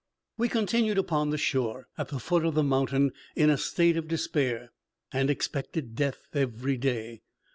We continued upon the shore, at the foot of the mountain, in a state of despair, and expected death every day.